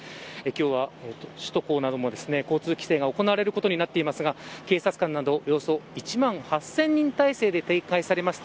今日は首都高なども交通規制が行われることになっていますが警察官などおよそ１万８０００人態勢で警戒されます。